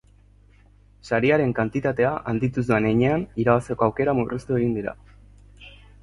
Sariaren kantitatea handituz doan heinean, irabazteko aukerak murriztu egin dira.